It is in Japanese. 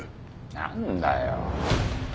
何だよ？